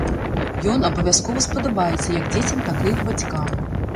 Ён абавязкова спадабаецца як дзецям, так і іх бацькам.